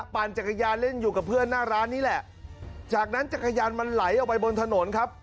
ปั่นจักรยานเล่นอยู่กับเพื่อนหน้าร้านนี่แหละจากนั้นจักรยานมันไหลออกไปบนถนนครับ